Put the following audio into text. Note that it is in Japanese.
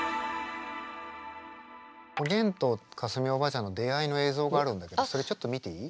おげんと架純おばあちゃんの出会いの映像があるんだけどそれちょっと見ていい？